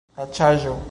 aĉaĵo